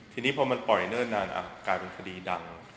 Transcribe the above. ทีนี้พอมันปล่อยเนิ่นนานกลายเป็นคดีดัง